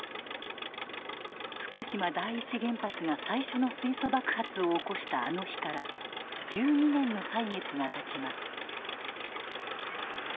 福島第一原発が最初の水素爆発を起こしたあの日から１２年の歳月がたちます。